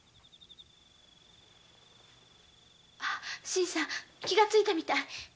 新さん気がついたみたい！